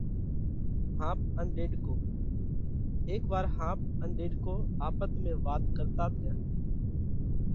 ۿاپ ان ڏيڏڪو:هيڪ وار ۿاپ ان ڏيڏڪو آپت ۾ واتون ڪرتات ريا۔